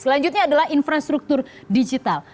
selanjutnya adalah infrastruktur digital